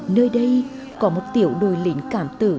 nơi đây có một tiểu đôi lính cảm tử đánh địch đến giọt máu cuối cùng